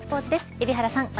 海老原さん